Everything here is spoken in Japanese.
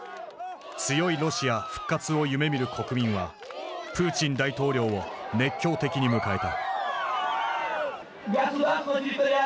強いロシア復活を夢みる国民はプーチン大統領を熱狂的に迎えた。